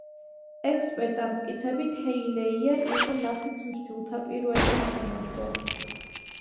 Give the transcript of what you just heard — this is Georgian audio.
ექსპერტთა მტკიცებით, ჰეილეია იყო ნაფიც მსაჯულთა პირველი სასამართლო.